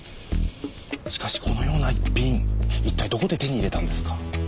しかしこのような逸品一体どこで手に入れたんですか？